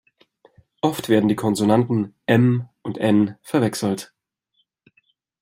Oft werden die Konsonanten M und N verwechselt.